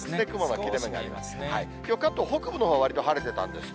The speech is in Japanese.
きょう、関東北部のほうはわりと晴れてたんです。